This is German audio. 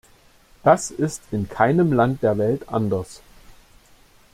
Das ist in keinem Land der Welt anders.